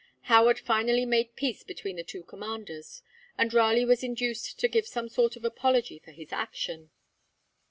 Howard finally made peace between the two commanders, and Raleigh was induced to give some sort of apology for his action.